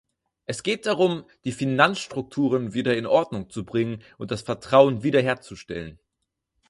Es geht darum, die Finanzstrukturen wieder in Ordnung zu bringen und das Vertrauen wiederherzustellen.